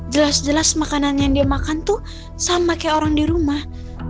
jelas jelas makanan yang dia makan tuh sama kayak orang di rumah